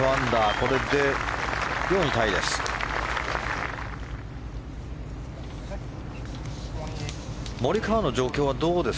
これで４位タイです。